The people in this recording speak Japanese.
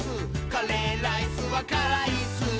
「カレーライスはからいっすー」